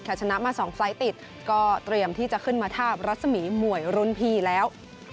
ชนะมา๒ไฟล์ติดก็เตรียมที่จะขึ้นมาทาบรัศมีร์มวยรุ่นพี่แล้ว